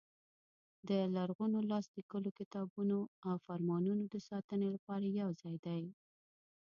د لرغونو لاس لیکلو کتابونو او فرمانونو د ساتنې لپاره یو ځای دی.